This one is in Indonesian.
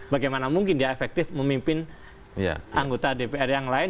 bagaimana mungkin dia efektif memimpin anggota dpr yang lain